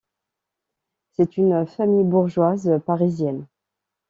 C'est une famille bourgeoise parisienne.